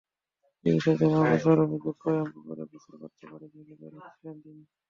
চিকিৎসাধীন আবুজার অভিযোগ করেন, পুকুরে গোসল করতে বাড়ি থেকে বের হচ্ছিলেন তিনি।